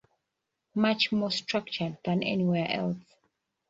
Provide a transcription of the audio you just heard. Much more structured than anywhere else.